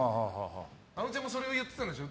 あのちゃんもそれを言ってたんでしょ。